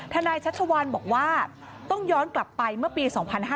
ชัชวัลบอกว่าต้องย้อนกลับไปเมื่อปี๒๕๕๙